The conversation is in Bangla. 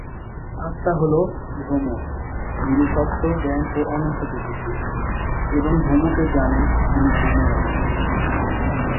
আত্মা হল ব্রহ্ম যিনি সত্য, জ্ঞান ও অনন্ত প্রকৃতির এবং ব্রহ্মকে জানেন তিনি ব্রহ্ম হন।